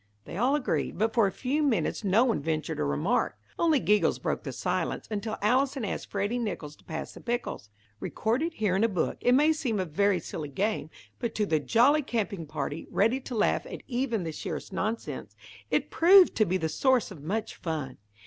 They all agreed, but for a few minutes no one ventured a remark. Only giggles broke the silence, until Allison asked Freddy Nicholls to pass the pickles. Recorded here in a book, it may seem a very silly game, but to the jolly camping party, ready to laugh at even the sheerest nonsense, it proved to be the source of much fun.